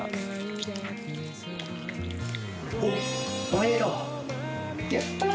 おっおめでとう。